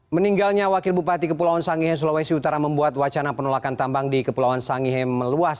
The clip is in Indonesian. meninggalnya wakil bupati kepulauan sangihe sulawesi utara membuat wacana penolakan tambang di kepulauan sangihe meluas